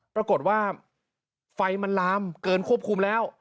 ปรากฏว่าไฟมันลามเกินควบคุมแล้ว